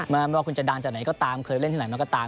ไม่ว่าคุณจะดังจากไหนก็ตามเคยเล่นที่ไหนมาก็ตาม